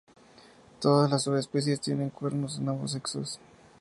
Todas las subespecies tienen cuernos en ambos sexos.